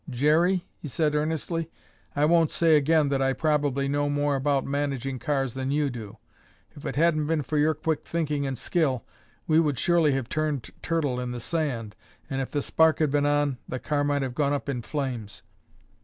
"Jerry," he said earnestly, "I won't say again that I probably know more about managing cars than you do. If it hadn't been for your quick thinking and skill, we would surely have turned turtle in the sand and if the spark had been on, the car might have gone up in flames."